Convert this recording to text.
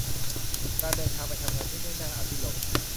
การเดินทางไปทำงานที่ไม่น่าอภิรมย์